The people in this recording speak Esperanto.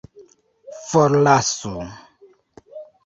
forlasu